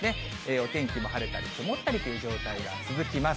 お天気も晴れたり曇ったりという状態が続きます。